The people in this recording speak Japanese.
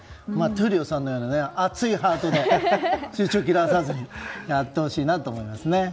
闘莉王さんのような熱いハートで集中を切らさずにやってほしいと思いますね。